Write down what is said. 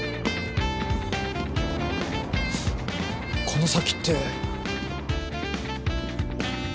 この先って。